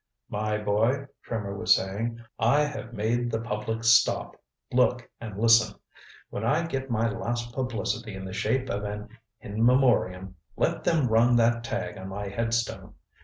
"My boy," Trimmer was saying, "I have made the public stop, look and listen. When I get my last publicity in the shape of an 'In Memoriam' let them run that tag on my headstone.